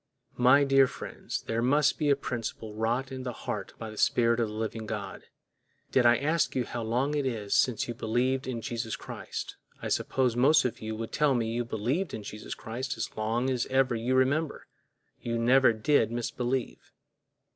My dear friends, there must be a principle wrought in the heart by the Spirit of the living God. Did I ask you how long it is since you believed in Jesus Christ, I suppose most of you would tell me you believed in Jesus Christ as long as ever you remember—you never did misbelieve.